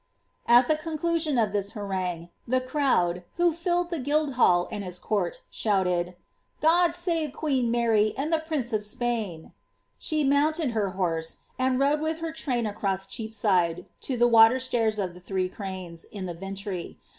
''* At the conclusion of this harangue, the crowd, who filled the Guild hall and its court, shouted, ^ God save queen Mary and the prince of Spain P' She then mounted her horse, and rode with her train across Gheapside, to the water staira of the Three Cranes, in the Vintry.